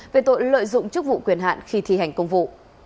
về tội lợi dụng chức vụ quyền hạn khi thi hành công vụ